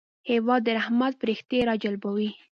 هېواد د رحمت پرښتې راجلبوي.